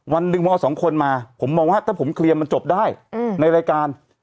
วันหนึ่งม๒คนมาผมมองว่าถ้าผมเคลียร์มันจบได้ในรายการ